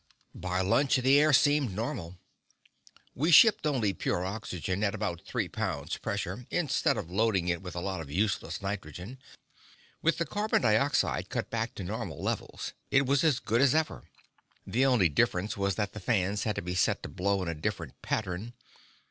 By lunch, the air seemed normal. We shipped only pure oxygen at about three pounds pressure, instead of loading it with a lot of useless nitrogen. With the carbon dioxide cut back to normal levels, it was as good as ever. The only difference was that the fans had to be set to blow in a different pattern.